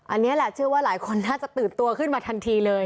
อันนี้แหละเชื่อว่าหลายคนน่าจะตื่นตัวขึ้นมาทันทีเลย